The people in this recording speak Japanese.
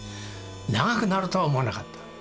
長くなるとは思わなかった。